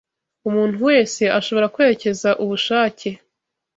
Umuntu wese ashobora kwerekeza ubushake